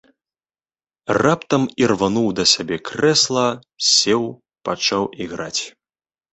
Раптам ірвануў да сябе крэсла, сеў, пачаў іграць.